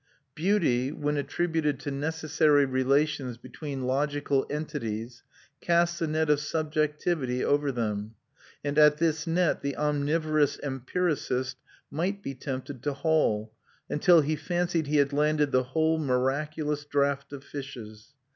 Beauty, when attributed to necessary relations between logical entities, casts a net of subjectivity over them; and at this net the omnivorous empiricist might be tempted to haul, until he fancied he had landed the whole miraculous draught of fishes.